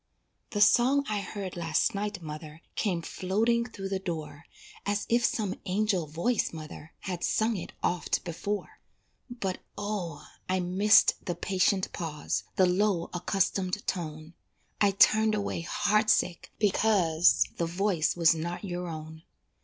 The song I heard last night, mother, Came floating through the door As if some angel voice, mother, Had sung it oft before; But, O! I missed the patient pause, The low accustomed tone, I turned away heart sick because The voice was not your own.